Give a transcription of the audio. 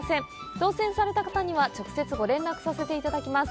当せんされた方には、直接ご連絡させていただきます。